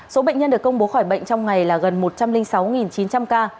số bệnh nhân được công bố khỏi bệnh trong ngày là gần một trăm linh sáu chín trăm linh ca